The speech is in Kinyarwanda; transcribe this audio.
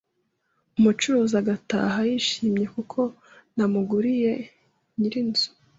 umucuruzi agataha yishimye kuko namuguriye, nyir’inzu